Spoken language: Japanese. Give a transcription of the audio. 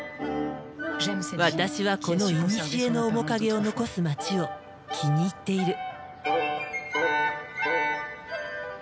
私はこのいにしえの面影を残す街を気に入っている。